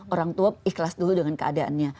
orang tua ikhlas dulu dengan keadaannya